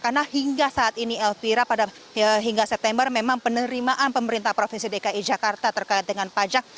karena hingga saat ini elvira pada hingga september memang penerimaan pemerintah provinsi dki jakarta terkait dengan pajak